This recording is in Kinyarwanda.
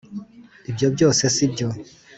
Ibyo Byose Si Byo